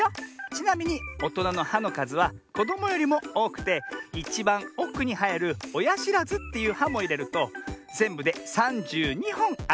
ちなみにおとなの「は」のかずはこどもよりもおおくていちばんおくにはえる「おやしらず」っていう「は」もいれるとぜんぶで３２ほんあるんだね。